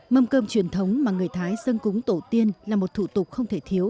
mâm cơm truyền thống mà người thái dân cúng tổ tiên là một thủ tục không thể thiếu